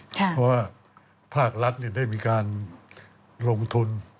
เพราะว่าภาครัฐได้มีการลงทุน